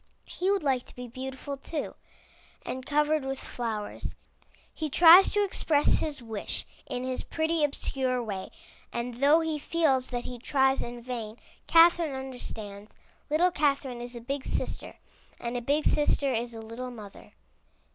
He would like to be beautiful too, and covered with flowers. He tries to express his wish in his pretty obscure way, and though he feels that he tries in vain, Catherine understands. Little Catherine is a big sister, and a big sister is a little mother.